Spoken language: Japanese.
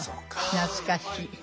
懐かしい。